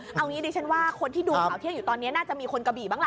เอางี้ดิฉันว่าคนที่ดูข่าวเที่ยงอยู่ตอนนี้น่าจะมีคนกะบี่บ้างล่ะ